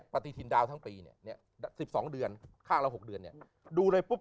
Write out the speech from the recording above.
ปฏิทินดาวทั้งปีเนี่ย๑๒เดือนข้างเรา๖เดือนเนี่ยดูเลยปุ๊บ